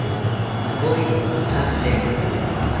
Nokoyi nojampitemi